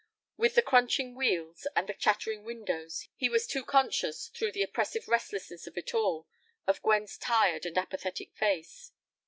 With the crunching wheels and the chattering windows, he was too conscious, through the oppressive restlessness of it all, of Gwen's tired and apathetic face.